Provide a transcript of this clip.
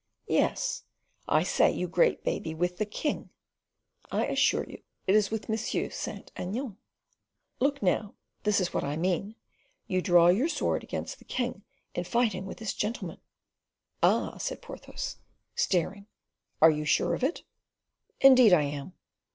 "Yes, I say, you great baby, with the king." "I assure you it is with M. Saint Aignan." "Look now, this is what I mean; you draw your sword against the king in fighting with this gentleman." "Ah!" said Porthos, staring; "are you sure of it?" "Indeed I am."